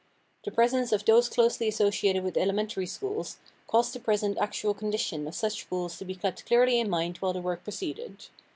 The presence of those closely associated with elementary schools caused the present actual condition of such schools to be kept clearly in mind while the work proceeded.